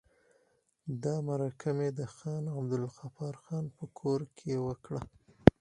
دا مرکه مې د خان عبدالغفار خان په کور کې وکړه.